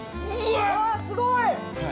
わすごい！